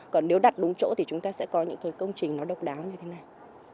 còn nếu đặt đúng chỗ thì chúng ta sẽ có những cái công trình nó độc đáo như thế này